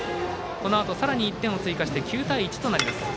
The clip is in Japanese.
このあとさらに１点を追加して９対１となります。